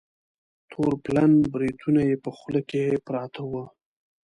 تور پلن بریتونه یې په خوله کې پراته وه.